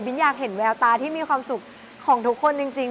อยากเห็นแววตาที่มีความสุขของทุกคนจริง